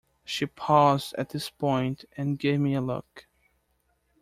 She paused at this point and gave me a look.